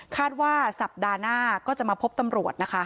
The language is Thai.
คาดว่าสัปดาห์หน้าก็จะมาพบตำรวจนะคะ